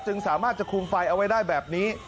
สามารถจะคุมไฟเอาไว้ได้แบบนี้